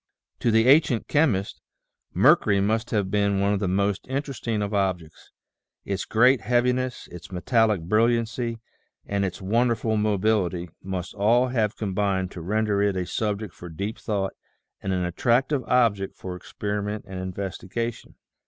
To the ancient chemists mercury must have been one of the most interesting of objects. Its great heaviness, its metallic brilliancy, and its wonderful mobility, must all have combined to render it a subject for deep thought and an attractive object for experiment and investigation.